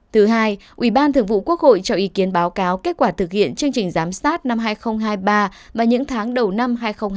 thứ hai ủy ban thường vụ quốc hội cho ý kiến báo cáo kết quả thực hiện chương trình giám sát năm hai nghìn hai mươi ba và những tháng đầu năm hai nghìn hai mươi bốn